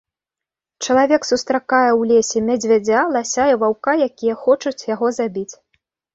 Чалавек сустракае ў лесе мядзведзя, лася і ваўка, якія хочуць яго забіць.